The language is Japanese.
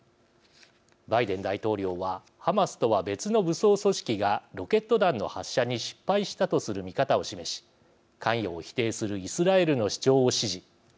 バイデン大統領はハマスとは別の武装組織がロケット弾の発射に失敗したとする見方を示し関与を否定するイスラエルの主張を支持。